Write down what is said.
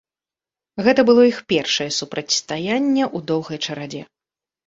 Гэта было іх першае супрацьстаянне ў доўгай чарадзе.